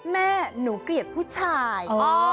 แม่หนูเกลียดผู้ชาย